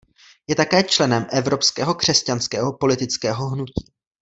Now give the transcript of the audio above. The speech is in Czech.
Je také členem Evropského křesťanského politického hnutí.